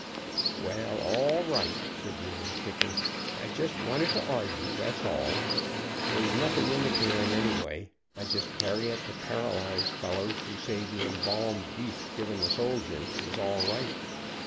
"Well, all right," said the Old Kicker. "I just wanted to argue, that is all. There is nothing in the can, anyway. I just carry it to paralyze fellows who say the embalmed beef given the soldiers was all right.